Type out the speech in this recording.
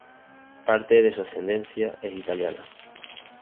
Parte de su ascendencia es italiana.